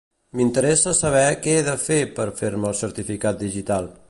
M'interessa saber què he de fer per fer-me el certificat digital.